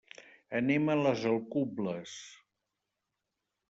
Anem a les Alcubles.